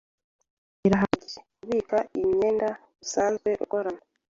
Birahagije, kubika imyenda usanzwe ukorana,